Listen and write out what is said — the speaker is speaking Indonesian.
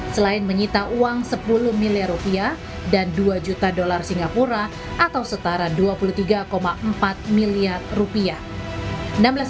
selain menyita uang sepuluh miliar rupiah dan dua juta dolar singapura atau setara dua puluh tiga empat miliar rupiah